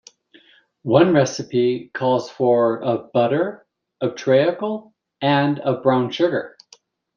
One recipe calls for of butter, of treacle, and of brown sugar.